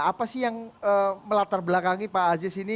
apa sih yang melatar belakangi pak aziz ini